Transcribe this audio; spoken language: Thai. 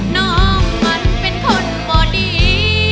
น้องมันเป็นคนบ่ดี